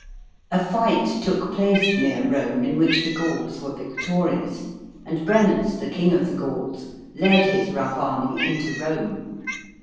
A fight took place near Rome in which the Gauls were victorious, and Brennus, the King of the Gauls, led his rough army into Rome.